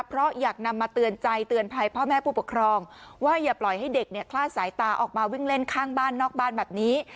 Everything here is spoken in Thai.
เพราะอยากนำมาเตือนใจเตือนภัยพ่อแม่ผู้ปกครองว่าอย่าปล่อยให้เด็กเนี่ยคลาดสายตาออกมาวิ่งเล่นข้างบ้านนอกบ้านแบบนี้